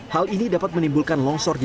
hal ini dapat menimbulkan longsor di